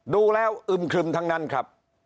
ดูแล้วอึมครึมทั้งนั้นครับ